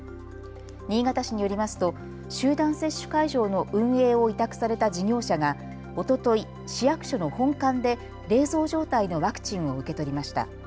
新潟市によりますと集団接種会場の運営を委託された事業者がおととい、市役所の本館で冷蔵状態のワクチンを受け取りました。